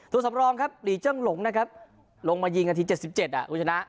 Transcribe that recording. ตัวสำรองครับหลีเจ้งหลงนะครับลงมายิงกันทีเจ็ดสิบเจ็ดอ่ะรุ่นชนะ